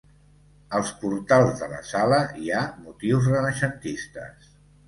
Als portals de la sala hi ha motius renaixentistes.